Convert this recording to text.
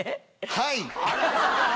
はい！